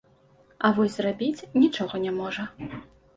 А вось зрабіць нічога не можа.